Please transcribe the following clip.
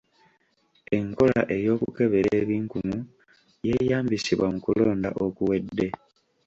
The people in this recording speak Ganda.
Enkola ey'okukebera ebinkumu yeeyambisibwa mu kulonda okuwedde.